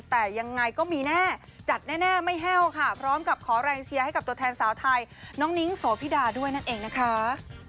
แต่ยังไงก็มีแน่จัดแน่ไม่แห้วค่ะพร้อมกับขอแรงเชียร์ให้กับตัวแทนสาวไทยน้องนิ้งโสพิดาด้วยนั่นเองนะคะ